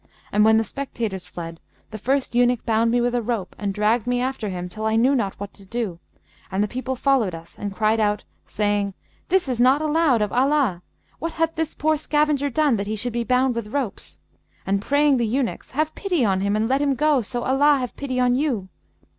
And when the spectators fled, the first eunuch bound me with a rope and dragged me after him till I knew not what to do; and the people followed us and cried out, saying, 'This is not allowed of Allah! What hath this poor scavenger done that he should be bound with ropes?' and praying the eunuchs, 'Have pity on him and let him go, so Allah have pity on you!'